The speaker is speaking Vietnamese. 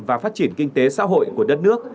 và phát triển kinh tế xã hội của đất nước